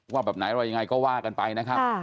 ว่าอย่างไรก็ว่ากันไปนะครับ